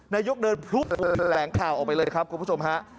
นายกเดินพลุบแถลงข่าวออกไปเลยครับคุณผู้ชมฮะ